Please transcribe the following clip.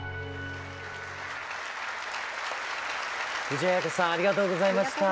藤あや子さんありがとうございました。